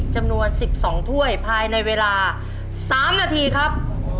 จำนวน๑๒ถ้วยภายในเวลา๓นาทีครับ